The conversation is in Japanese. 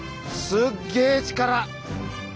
すっげえ力！